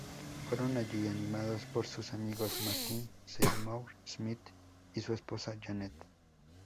Fueron allí animados por sus amigos Martin Seymour- Smith y su esposa, Janet.